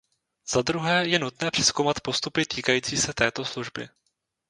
Za druhé je nutné přezkoumat postupy týkající se této služby.